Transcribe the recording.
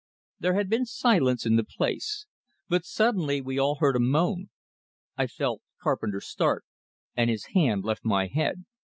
There had been silence in the place. But suddenly we all heard a moan; I felt Carpenter start, and his hand left my head.